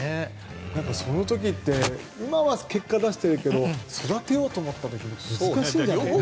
その時って今は結果を出してるけど育てようと思った時に難しいんじゃないかと。